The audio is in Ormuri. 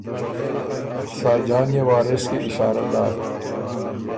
ساجان يې وارث کی اشاره داک